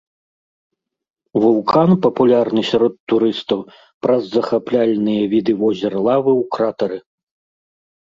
Вулкан папулярны сярод турыстаў праз захапляльныя віды возера лавы ў кратары.